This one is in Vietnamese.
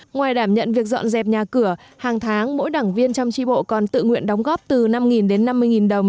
ngoài đảm nhận việc dọn dẹp nhà cửa hàng tháng mỗi đảng viên trong tri bộ còn tự nguyện đóng góp từ năm đến năm mươi đồng